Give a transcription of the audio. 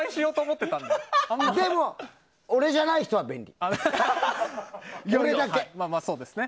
でも、俺じゃない人は便利。